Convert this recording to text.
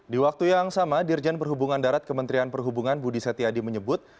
di waktu yang sama dirjen perhubungan darat kementerian perhubungan budi setiadi menyebut